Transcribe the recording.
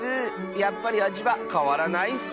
やっぱりあじはかわらないッス！